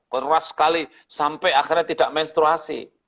keras sekali sampai akhirnya tidak menstruasi